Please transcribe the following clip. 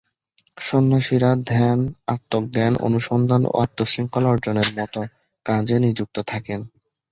সন্ন্যাসীরা ধ্যান, আত্ম-জ্ঞান অনুসন্ধান ও আত্ম-শৃঙ্খলা অর্জনের মতো কাজে নিযুক্ত থাকেন।